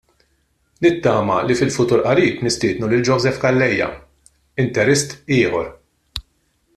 Nittama li fil-futur qarib nistiednu lil Joseph Calleja, Interist ieħor.